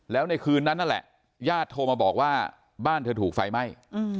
แล้วในคืนนั้นนั่นแหละญาติโทรมาบอกว่าบ้านเธอถูกไฟไหม้